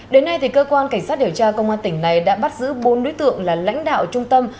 đến nay cơ quan cảnh sát điều tra công an tỉnh này đã bắt giữ bốn đối tượng là lãnh đạo trung tâm